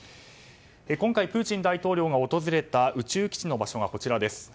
今回、プーチン大統領が訪れた宇宙基地の場所がこちらです。